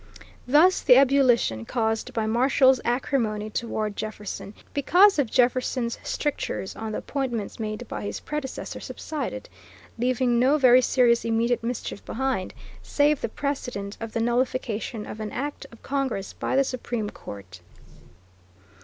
Thus the ebullition caused by Marshall's acrimony toward Jefferson, because of Jefferson's strictures on the appointments made by his predecessor subsided, leaving no very serious immediate mischief behind, save the precedent of the nullification of an act of Congress by the Supreme Court.